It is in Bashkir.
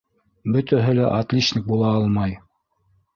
Бөтәһе лә отличник була алмай.